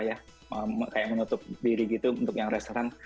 seperti menutup diri untuk yang restoran